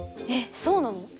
えっそうなの？